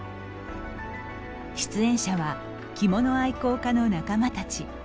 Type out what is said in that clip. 出演者は着物愛好家の仲間たち。